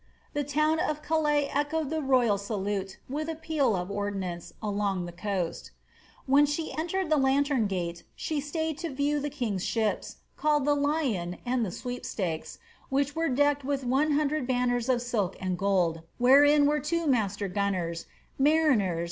The town of Calais echoed the royal salute with a peal of ordnance along the coast ^ When she entered the lantern gate she staid to view the kiiig'i ships, called the ^Lyon' and the ^Sweepstakes,' which were decked M ith one hundred banners of silk and gold, wherein were two master gunners, » State Paper MS.